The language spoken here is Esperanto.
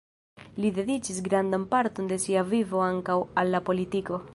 Li dediĉis grandan parton de sia vivo ankaŭ al la politiko.